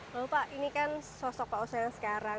lho pak ini kan sosok pak ustaz yang sekarang